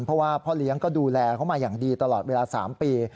เพราะว่าพ่อเลี้ยงก็ดูแลเขามาอย่างดีตลอดเวลา๓ปี